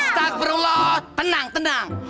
astaghfirullah tenang tenang